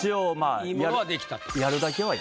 良いものはできたと。